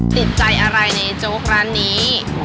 ติดใจอะไรในโจ๊กร้านนี้